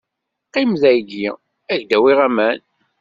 Qqim dayi, ad k-d-awiɣ aman.